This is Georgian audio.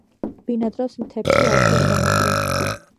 ბინადრობს მთებში ალპურ ზონამდე.